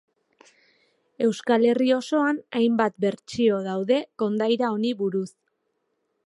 Euskal Herri osoan hainbat bertsio daude kondaira honi buruz.